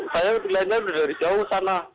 saya ngerilainnya udah dari jauh sana